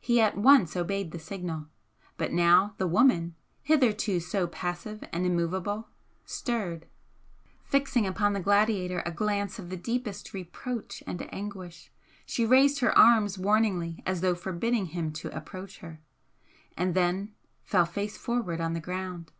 He at once obeyed the signal; but now the woman, hitherto so passive and immovable, stirred. Fixing upon the gladiator a glance of the deepest reproach and anguish, she raised her arms warningly as though forbidding him to approach her and then fell face forward on the ground.